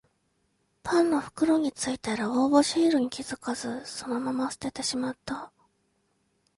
パンの袋についてる応募シールに気づかずそのまま捨ててしまった